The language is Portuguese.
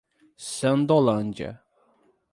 Sandolândia